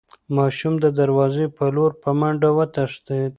ماشوم د دروازې په لور په منډه وتښتېد.